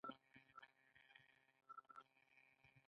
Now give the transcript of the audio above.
د پښتو ژبې د بډاینې لپاره پکار ده چې طبیعي وده ته پاملرنه وشي.